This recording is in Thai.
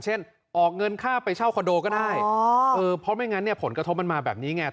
ออกเงินค่าไปเช่าคอนโดก็ได้เพราะไม่งั้นเนี่ยผลกระทบมันมาแบบนี้ไง